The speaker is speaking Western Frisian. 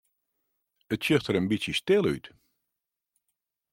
It sjocht der in bytsje stil út.